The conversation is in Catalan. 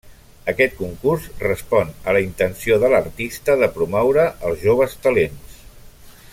Aquest concurs respon a la intenció de l'artista de promoure els joves talents.